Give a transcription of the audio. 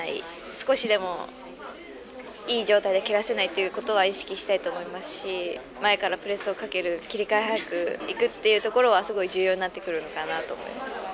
少しでも、いい状態で蹴らせないっていうことは意識したいと思いますし前からプレスをかける切り替え早くいくっていうところは、すごい重要になってくるのかなと思います。